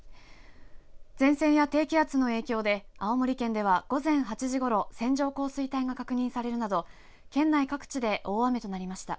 前線や低気圧の影響で青森県では、午前８時ごろ線状降水帯が確認されるなど県内各地で大雨となりました。